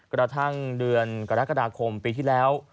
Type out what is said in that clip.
กระทั่งเดือนกรกฎาคมปีที่แล้ว